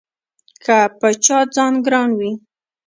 که په چا ځان ګران وي